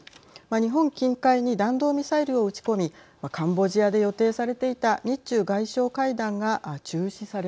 日本近海に弾道ミサイルを撃ち込みカンボジアで予定されていた日中外相会談がはい。